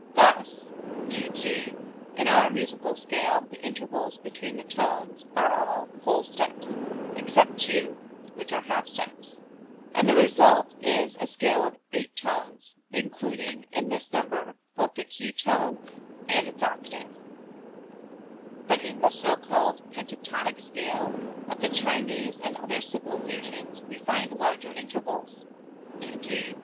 Thus e.g., in our major scale the intervals between the tones are all whole steps except two (which are half steps), and the result is a scale of eight tones (including in this number both the key tone and its octave): but in the so called pentatonic scale of the Chinese and other older civilizations we find larger intervals (_e.g.